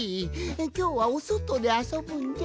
きょうはおそとであそぶんじゃ？